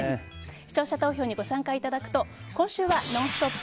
視聴者投票にご参加いただくと今週は「ノンストップ！」